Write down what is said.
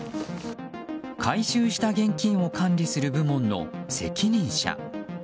回収した現金を管理する部門の責任者。